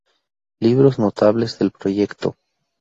Libros notables del proyecto